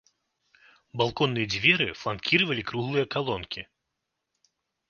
Балконныя дзверы фланкіравалі круглыя калонкі.